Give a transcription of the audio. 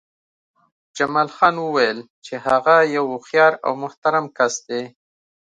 جمال خان وویل چې هغه یو هوښیار او محترم کس دی